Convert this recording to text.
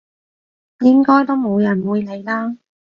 應該都冇人會理啦！